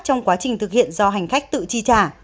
trong quá trình thực hiện do hành khách tự chi trả